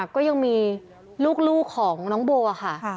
ก็ยังมีลูกของน้องโบค่ะ